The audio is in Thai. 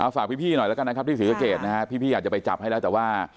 ฝากพี่หน่อยแล้วกันนะครับที่ศรีสะเกดนะฮะพี่อยากจะไปจับให้แล้วแต่ว่า